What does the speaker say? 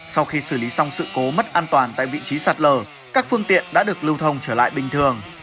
sau khi xử lý xong sự cố mất an toàn tại vị trí sạt lở các phương tiện đã được lưu thông trở lại bình thường